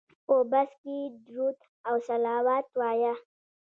په بس کې درود او صلوات وایه.